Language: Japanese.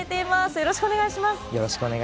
よろしくお願いします。